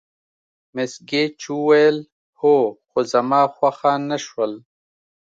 مس ګېج وویل: هو، خو زما خوښه نه شول.